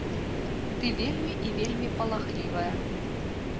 Ты вельмі і вельмі палахлівая.